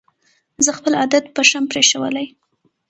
زه خپل عادت پشم پرېښودلې